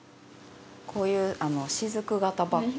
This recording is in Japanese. こういうしずく形バッグ。